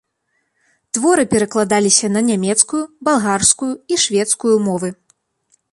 Творы перакладаліся на нямецкую, балгарскую і шведскую мовы.